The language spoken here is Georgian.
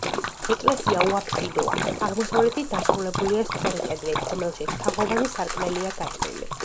ეკლესია უაფსიდოა, აღმოსავლეთით დასრულებულია სწორი კედლით, რომელშიც თაღოვანი სარკმელია გაჭრილი.